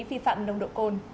phi phạm nồng độ cồn